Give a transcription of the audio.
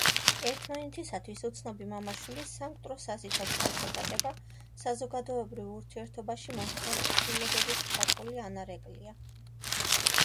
ერთმანეთისათვის უცნობი მამა-შვილის სამკვდრო-სასიცოცხლო შეტაკება საზოგადოებრივ ურთიერთობაში მომხდარი ცვლილებების მხატვრული ანარეკლია.